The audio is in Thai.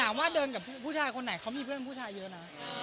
ว่าเดินกับผู้ชายคนไหนเขามีเพื่อนผู้ชายเยอะนะ